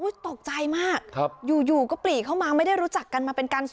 อุ๊ยตกใจมากครับอยู่ก็ปรีเข้ามาไม่ได้รู้จักกันมาเป็นการส่วนตัว